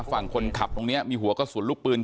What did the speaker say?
ฝั่งคนขับตรงนี้มีหัวกระสุนลูกปืน